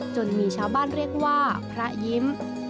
จนมีชาวบ้านเรียกว่าพระยิ้ม